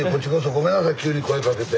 ごめんなさい急に声かけて。